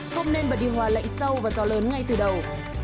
không nên bật điều hòa lạnh sâu và gió lớn ngay từ đầu